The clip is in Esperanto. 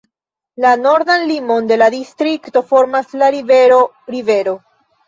La nordan limon de la distrikto formas la rivero rivero.